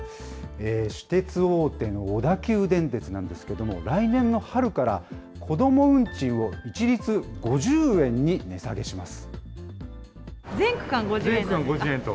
私鉄大手の小田急電鉄なんですけれども、来年の春から、子ども運賃を一律５０円に値下げします。